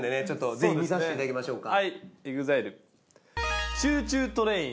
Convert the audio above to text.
ぜひ見させていただきましょうか。